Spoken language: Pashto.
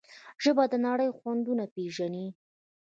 ژبه د نړۍ خوندونه پېژني.